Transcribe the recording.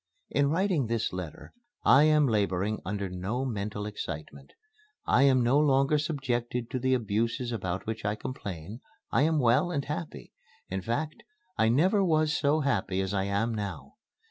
In writing this letter I am laboring under no mental excitement. I am no longer subjected to the abuses about which I complain. I am well and happy. In fact I never was so happy as I am now.